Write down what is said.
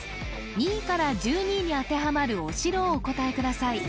２位から１２位に当てはまるお城をお答えください